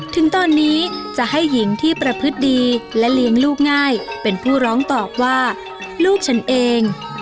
ถึงตอนนี้จะให้หญิงที่ประพฤติดีและเลี้ยงลูกง่ายเป็นผู้ร้องตอบว่าลูกฉันเอง